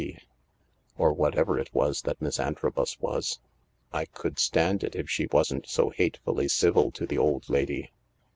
D., or whatever it was that Miss Antrobus was ? I could stand it if she wasn't so hatefully civil to the old lady."